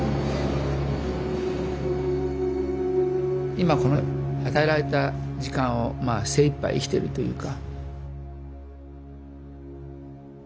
今この与えられた時間をまあ精一杯生きてるというか。